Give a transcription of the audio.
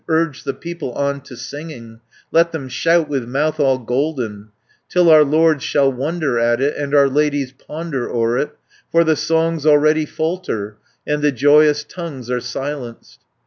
Urge the people on to singing, Let them shout, with mouth all golden, Till our lords shall wonder at it, And our ladies ponder o'er it, For the songs already falter, And the joyous tongues are silenced.